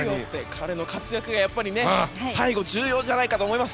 彼の活躍が最後、重要じゃないかと思います。